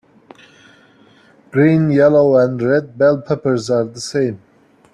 Green, yellow and red bell peppers are the same.